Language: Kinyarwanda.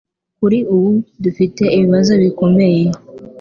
Kuri ubu, dufite ibibazo bikomeye